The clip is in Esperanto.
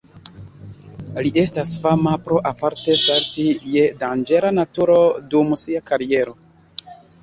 Li estas fama pro aparte salti je danĝera naturo dum sia kariero.